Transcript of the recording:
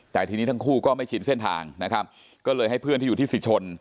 แต่ทีนี้ทั้งคู่ก็ไม่ชินเส้นทางนะครับก็เลยให้เพื่อนที่อยู่ที่สิชน